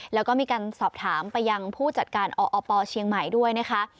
แล้วก็มีการสอบถามไปยังผู้จัดการออปเชียงใหม่ด้วยนะคะ